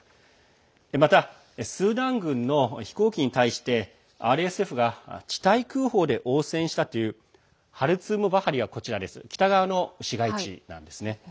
また、スーダン軍の飛行機に対して、ＲＳＦが地対空砲で応戦したというハルツーム・バハリは北側の市街地なんですね。